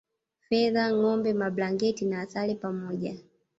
Fedha ngombe mablanketi na asali pamoja